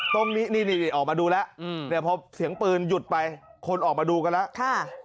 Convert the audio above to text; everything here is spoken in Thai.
ตรงนี้นี่ออกมาดูแล้วพอเสียงปืนหยุดไปคนออกมาดูกันแล้ว